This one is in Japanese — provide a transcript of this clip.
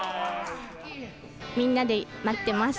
みんなで待ってます。